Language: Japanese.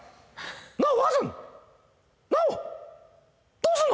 どうすんの！